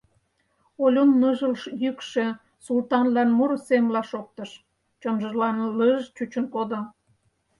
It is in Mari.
— Олюн ныжыл йӱкшӧ Султанлан муро семла шоктыш, чонжылан лыж-ж чучын кодо.